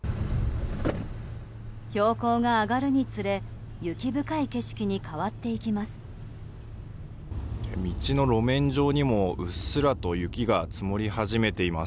標高が上がるにつれ雪深い景色に変わっていきます。